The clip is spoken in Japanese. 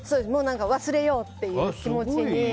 忘れようっていう気持ちになる。